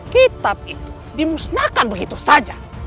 kitab itu dimusnahkan begitu saja